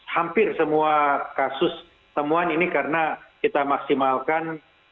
hampir semua kasus temuan ini karena kita maksimalkan